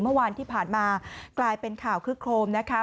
เมื่อวานที่ผ่านมากลายเป็นข่าวคึกโครมนะคะ